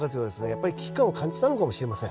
やっぱり危機感を感じたのかもしれません。